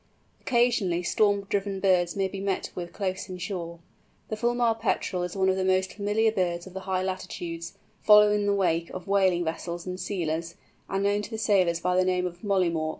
Occasionally storm driven birds may be met with close inshore. The Fulmar Petrel is one of the most familiar birds of high latitudes, following in the wake of whaling vessels and sealers, and known to the sailors by the name of "Molly Mawk."